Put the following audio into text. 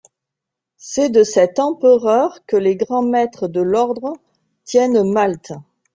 C'est de cet empereur que les grands maîtres de l'Ordre tiennent Malte.